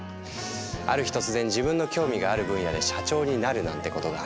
ある日突然自分の興味がある分野で社長になるなんてことがある